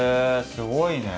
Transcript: すごいね。